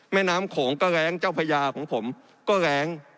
แม่น้ำโขงก็แรงเจ้าพญาของผมก็แรง